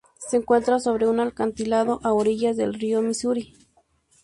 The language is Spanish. Se encuentra sobre un acantilado a orillas del río Misuri.